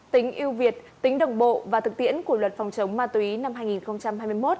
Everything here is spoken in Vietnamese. tính yêu việt tính đồng bộ và thực tiễn của luật phòng chống ma túy năm hai nghìn hai mươi một